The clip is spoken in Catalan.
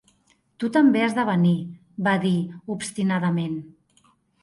"Tu també has de venir", va dir obstinadament.